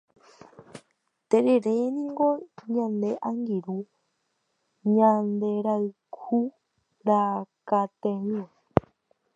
Tereréniko ñane angirũ ñanderayhurakate'ỹva.